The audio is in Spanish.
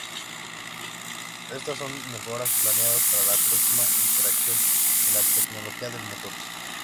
Estas son mejoras planeadas para la próxima iteración de la tecnología del motor.